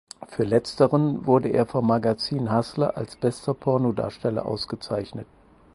Für letzteren wurde er vom Magazin Hustler als bester Pornodarsteller ausgezeichnet.